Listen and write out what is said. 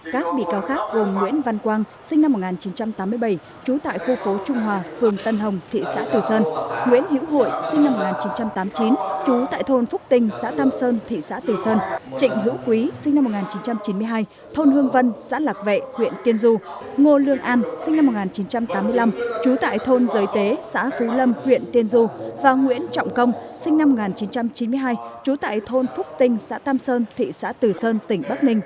các bị cáo khác gồm nguyễn văn quang sinh năm một nghìn chín trăm tám mươi bảy trú tại khu phố trung hòa phường tân hồng thị xã từ sơn nguyễn hiễu hội sinh năm một nghìn chín trăm tám mươi chín trú tại thôn phúc tinh xã tam sơn thị xã từ sơn trịnh hữu quý sinh năm một nghìn chín trăm chín mươi hai thôn hương vân xã lạc vệ huyện tiên du ngô lương an sinh năm một nghìn chín trăm tám mươi năm trú tại thôn giới tế xã phú lâm huyện tiên du và nguyễn trọng công sinh năm một nghìn chín trăm chín mươi hai trú tại thôn phúc tinh xã tam sơn thị xã từ sơn